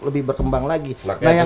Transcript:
lebih berkembang lagi nah yang